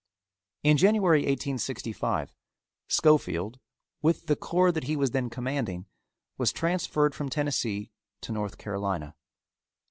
In January, 1865, Schofield, with the corps that he was then commanding, was transferred from Tennessee to North Carolina.